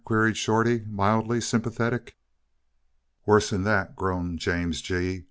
queried Shorty, mildly sympathetic. "Worse than that," groaned James G.